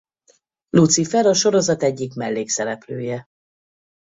Lucifer a sorozat egyik mellékszereplője.